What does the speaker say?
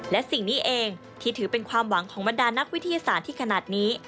และสิ่งนี้เองที่ถือเป็นความหวังของบรรดานักวิทยาศาสตร์ที่ขนาดนี้